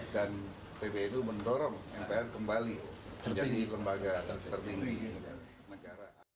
dan pbnu mendorong mpr kembali menjadi lembaga tertinggi negara